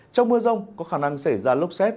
trong mưa rông có khả năng xảy ra lốc xét